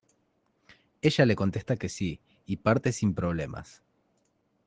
Ella le contesta que sí, y parte sin problemas.